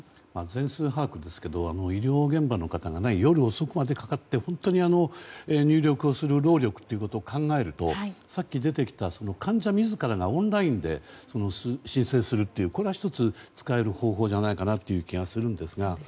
全数把握ですが医療現場の方が夜遅くまでかかって本当に入力をする労力を考えるとさっき出てきた患者自らがオンラインで申請するというこれは１つ使える方法じゃないかなという気がするんですが。